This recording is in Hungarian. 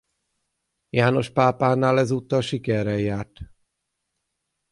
János pápánál ezúttal sikerrel járt.